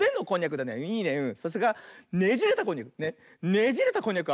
ねじれたこんにゃく。